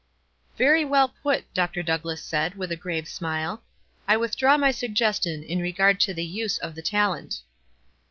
"Very well put," Dr. Douglass said, with a grave smile. "I withdraw my suggestion in regard to the use of the talent."